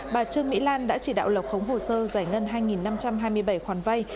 bà trương mỹ lan đã chỉ đạo lập khống hồ sơ giải ngân hai năm trăm hai mươi bảy khoản vay